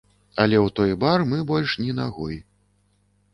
Але ў той бар мы больш ні нагой.